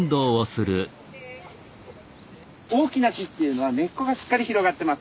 大きな木っていうのは根っこがしっかり広がってます。